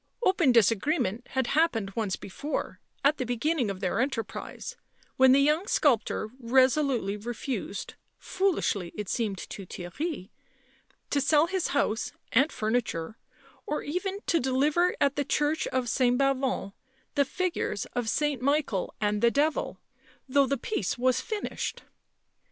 Open disagreement had hapi>ened once before, at the beginning of their enter prise, when the young sculptor resolutely refused, foolishly it seemed to Theirry, to sell his house and furniture, or even to deliver at the church of St. Bavon the figures of St. Michael and the Devil, though the piece was finished.